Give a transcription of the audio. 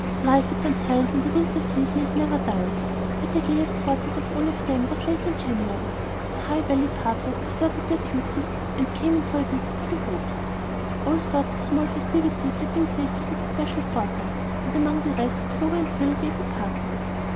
Life at St. Helen's in the winter season is never dull; but the gayest fortnight of all was when, late in January, the High Valley partners deserted their duties and came in for a visit to the Hopes. All sorts of small festivities had been saved for this special fortnight, and among the rest, Clover and Phil gave a party.